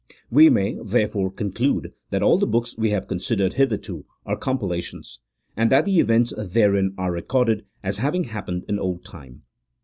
"We may, therefore, conclude that all the books we have considered hitherto are compilations, and that the events therein are recorded as having happened in old time.